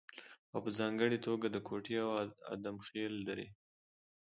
او په ځانګړې توګه د کوټې او ادم خېلو درې